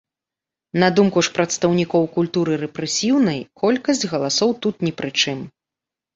На думку ж прадстаўнікоў культуры рэпрэсіўнай, колькасць галасоў тут не пры чым.